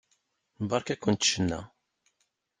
Beṛka-kent ccna.